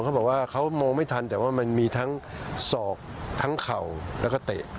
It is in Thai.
เขาบอกว่าเขามองไม่ทันแต่ว่ามันมีทั้งศอกทั้งเข่าแล้วก็เตะ